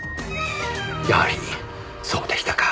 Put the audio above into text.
やはりそうでしたか。